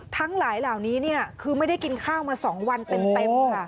ทั้งหลายเหล่านี้คือไม่ได้กินข้าวมา๒วันเต็มค่ะ